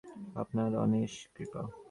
আপনার অশেষ কৃপা।